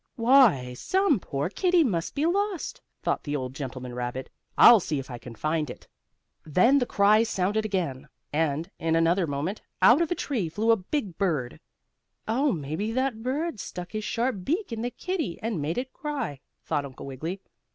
"Why, some poor kittie must be lost," thought the old gentleman rabbit. "I'll see if I can find it." Then the cry sounded again, and, in another moment, out of a tree flew a big bird. "Oh, maybe that bird stuck his sharp beak in the kittie and made it cry," thought Uncle Wiggily.